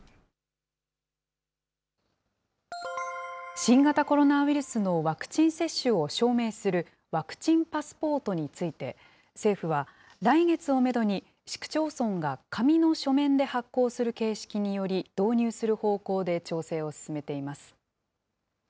新型コロナウイルスのワクチン接種を証明するワクチンパスポートについて、政府は、来月をメドに市区町村が紙の書面で発行する形式により導入する方向で調整を進めています。